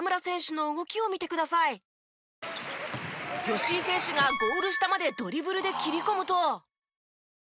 吉井選手がゴール下までドリブルで切り込むと。